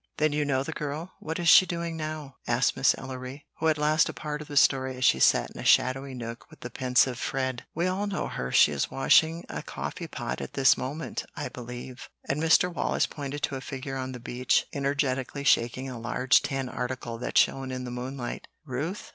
"Then you know the girl? What is she doing now?" asked Miss Ellery, who had lost a part of the story as she sat in a shadowy nook with the pensive Fred. "We all know her. She is washing a coffee pot at this moment, I believe;" and Mr. Wallace pointed to a figure on the beach, energetically shaking a large tin article that shone in the moonlight. "Ruth?